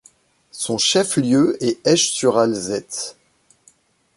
Son chef-lieu est Esch-sur-Alzette.